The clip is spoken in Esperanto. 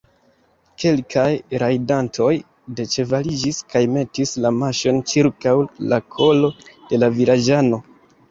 Kelkaj rajdantoj deĉevaliĝis kaj metis la maŝon ĉirkaŭ la kolo de la vilaĝano.